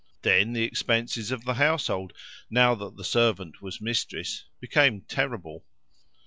Then the expenses of the household, now that the servant was mistress, became terrible.